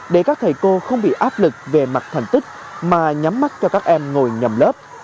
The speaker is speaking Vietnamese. để các thầy cô không bị áp lực về mặt thành tích mà nhắm mắt cho các em ngồi nhầm lớp